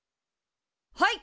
はい！